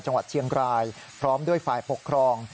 จังหวัดเชียงรายพร้อมด้วยฝ่ายปกครอง